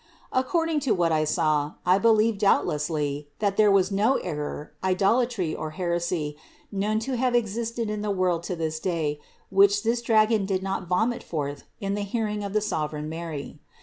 According to what I saw, I believe doubtlessly, that there was no error, idolatry or heresy known to have existed in the world to this day, which this dragon did not vomit forth in the hearing of the sovereign Mary.